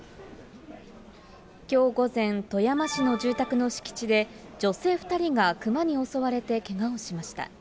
きょう午前、富山市の住宅の敷地で女性２人がクマに襲われてけがをしました。